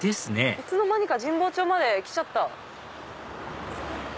いつの間にか神保町まで来ちゃった。